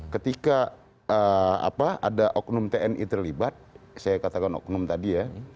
ketika ada oknum tni terlibat saya katakan oknum tadi ya